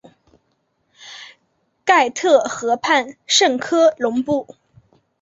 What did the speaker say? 盖特河畔圣科隆布。